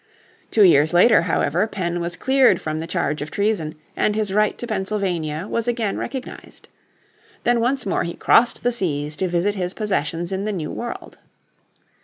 Two years later, however, Penn was cleared from the charge of treason and his right to Pennsylvania was again recognised. Then once more he crossed the seas to visit his possessions in the New World.